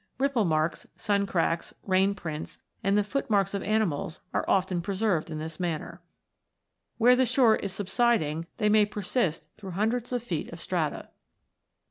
Ripple marks, sun cracks, rain prints, and the footmarks of animals, are often preserved in this manner. Where the shore is sub siding, they may persist through hundreds of feet of strata.